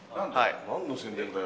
なんの宣伝だよ？